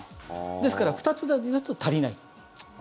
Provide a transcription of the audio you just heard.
ですから２つだと足りない。